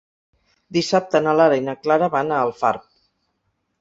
Dissabte na Lara i na Clara van a Alfarb.